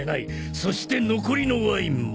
そして残りのワインも。